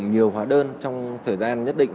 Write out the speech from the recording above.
nhiều hóa đơn trong thời gian nhất định